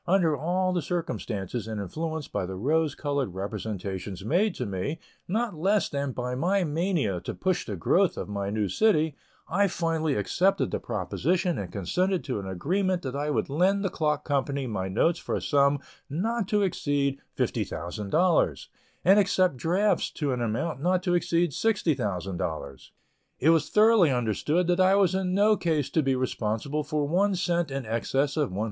Under all the circumstances, and influenced by the rose colored representations made to me, not less than by my mania to push the growth of my new city, I finally accepted the proposition and consented to an agreement that I would lend the clock company my notes for a sum not to exceed $50,000, and accept drafts to an amount not to exceed $60,000. It was thoroughly understood that I was in no case to be responsible for one cent in excess of $110,000.